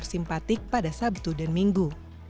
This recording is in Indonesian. simpatik pada sabtu dan minggu